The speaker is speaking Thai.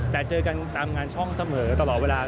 แต่เจอกันตามงานช่องเสมอตลอดเวลา